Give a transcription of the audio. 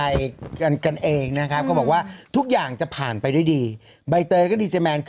อึกอึกอึกอึกอึกอึกอึกอึกอึก